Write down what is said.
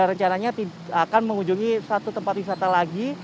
dan rencananya akan mengunjungi satu tempat wisata lagi